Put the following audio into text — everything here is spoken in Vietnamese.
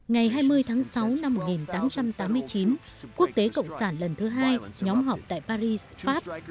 ngày hai mươi tháng sáu năm một nghìn tám trăm tám mươi chín quốc tế cộng sản lần thứ hai nhóm họp tại paris pháp